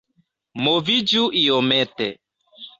Moviĝu iomete